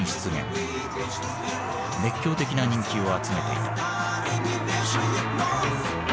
熱狂的な人気を集めていた。